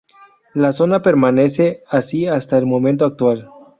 La zona permanece así hasta el momento actual.